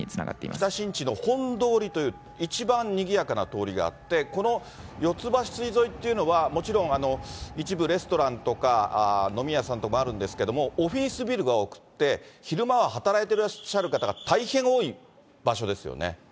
北新地の本通りという一番にぎやかな通りがあって、このよつばし筋沿いというのは、もちろん一部レストランとか、飲み屋さんとかもあるんですけれども、オフィスビルが多くって、昼間は働いてらっしゃる方が大変多い場所ですよね。